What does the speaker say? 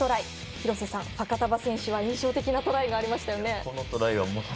廣瀬さん、ファカタヴァ選手は印象的なトライがありましたよね。